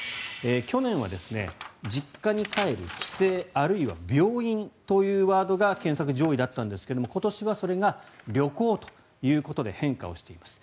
去年は実家に帰る、帰省あるいは病院というワードが検索上位だったんですが今年はそれが旅行ということで変化をしています。